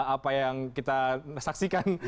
apa yang kita saksikan